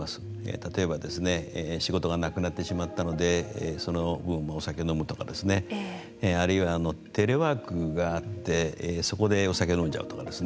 例えば、仕事がなくなってしまったのでその分、お酒を飲むとかあるいは、テレワークがあってそこでお酒を飲んじゃうとか。